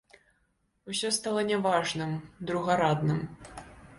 Усё стала няважным, другарадным.